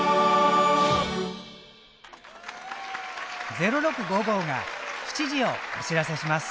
「０６」が７時をお知らせします。